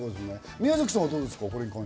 宮崎さんはいかがですか？